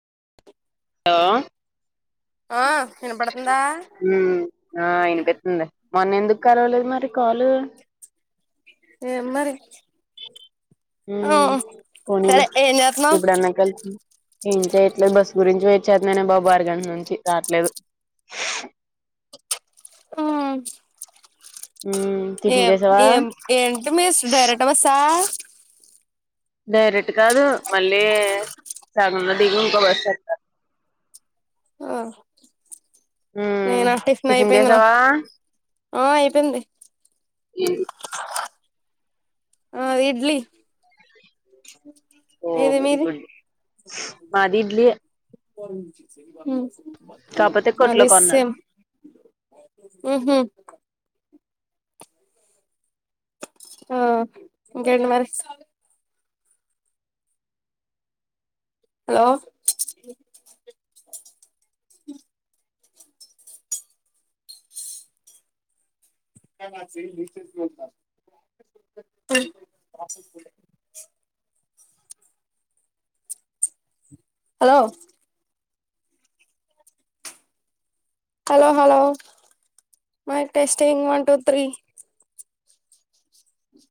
Hello ఆ వినపడుతుందా హ్మ్ ఆ ఆయన పెట్టిందే మొన్న ఎందుకు కాల్వలేదు మరి కాలు ఏం మరి ఆ ఉమ్ పోనీలే సరే చేస్తన్నావ్ ఇప్పుడన్నా కలిసింది ఏం చేయట్లేదు బస్సు గురించి వెయిట్ చేస్తాననే బాబు అరగంట నుంచి రావట్లేదు. మ్మ్ ఉమ్ టిఫిన్ ఏం చేసావా ఏం ఏంటి మీ డైరెక్ట్ బస్ హా డైరెక్ట్ కాదు మళ్ళీ సగంలో దిగి ఇంకో బస్సు ఎక్కాలి ఆ హ్మ్ నేనా టిఫిన్ అయిపోయింది నా చేసావా ఆ అయిపోయింది [unintelligible] ఆ ఇడ్లీ ఓ ఓకే ఏది వెరి మీది గుడ్ మాది ఇడ్లి యే పంచ్ హ్మ్ కాపోతే హు కొట్లో అది కొన్నారు సేమ్ హ్మ్ హు ఆ ఇంకేంటి మరి హలో ఇంకా నాది ప్రాసెస్ జరుగుతుంది hello hello hello mic testing one two three